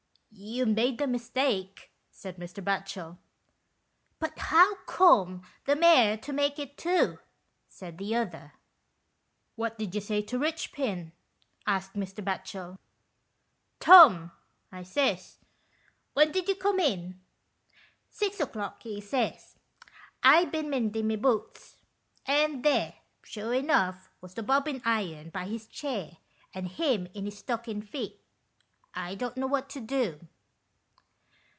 " You'd made a mistake," said Mr. Batchel. " But how come the mare to make it too ?" said the other. 41 anOST TALES. " What did you say to Eichpin ?" asked Mr. Batchel. "Tom," I says, "when did you come in? ' Six o'clock,' he says, ' I bin mendin' my boots '; and there, sure enough, was the bobbin' iron by his chair, and him in his stockin' feet. I don't know what to do."